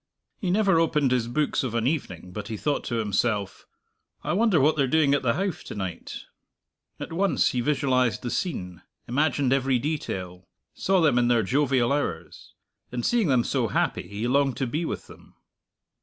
He never opened his books of an evening but he thought to himself, "I wonder what they're doing at the Howff to night?" At once he visualized the scene, imagined every detail, saw them in their jovial hours. And, seeing them so happy, he longed to be with them.